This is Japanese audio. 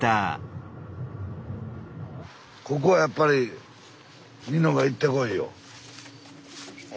ここはやっぱりニノが行ってこいよ。え？